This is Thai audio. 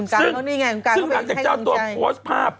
ซึ่งหลังจากเจ้าตัวโพสต์ภาพ